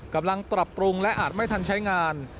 กำลังปรับปรุงและอาจไม่ทันใช้งาน